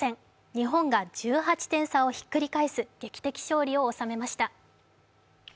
日本が１８点差をひっくり返す劇的勝利を収めました。